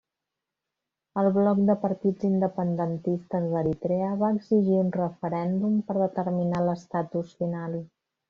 El bloc de partits independentistes d'Eritrea va exigir un referèndum per determinar l'estatus final.